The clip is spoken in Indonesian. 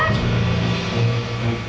asal kuat sudah